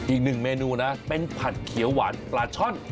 อีกหนึ่งเมนูนะเป็นผัดเขียวหวานปลาช่อน